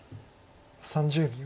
３０秒。